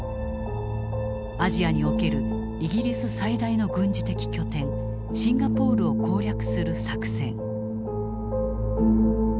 アジアにおけるイギリス最大の軍事的拠点シンガポールを攻略する作戦。